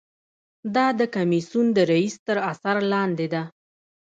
دا د کمیسیون د رییس تر اثر لاندې ده.